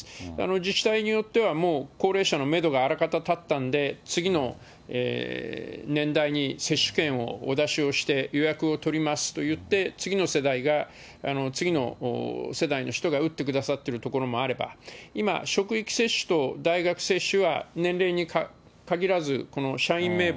自治体によっては、もう高齢者のメドが粗方たったんで、次の年代に接種券をお出しをして、予約を取りますといって、次の世代が、次の世代の人が打ってくださっているところもあれば、今、職域接種と大学接種は年齢に限らず、社員名簿、